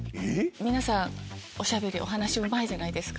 皆さんおしゃべりお話うまいじゃないですか。